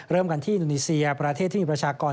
เริ่มกันที่อินโดนีเซียประเทศที่มีประชากร